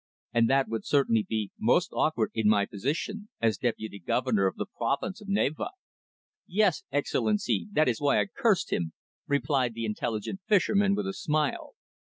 And that would certainly be most awkward in my position as Deputy Governor of the Province of Navarre." "Yes, Excellency, that is why I cursed him," replied the intelligent fisherman, with a smile.